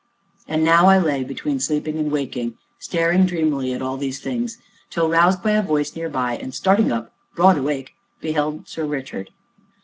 And now I lay between sleeping and waking, staring dreamily at all these things, till roused by a voice near by, and starting up, broad awake, beheld Sir Richard.